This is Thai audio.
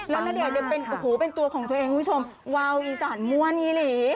และณเดชน์เป็นหูเป็นตัวของตัวเองคุณผู้ชมว้าวอีสานมวนอีหรี่